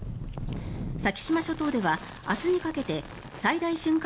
先島諸島では、明日にかけて最大瞬間